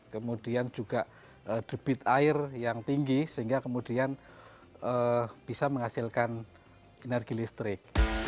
kemudian juga debit air yang tinggi sehingga kemudian bisa menghasilkan energi listrik